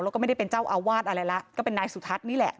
แล้วก็ไม่ได้เป็นเจ้าอาวาสอะไรแล้วก็เป็นนายสุทัศน์นี่แหละ